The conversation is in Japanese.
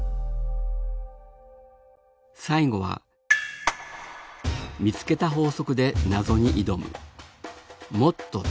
最後は見つけた法則でなぞにいどむ